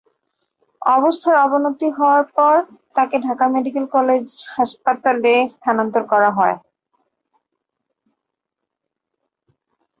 অবস্থার অবনতি হওয়ায় পরে তাকে ঢাকা মেডিকেল কলেজ হাসপাতালে স্থানান্তর করা হয়।